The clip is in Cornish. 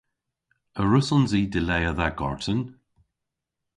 A wrussons i dilea dha garten?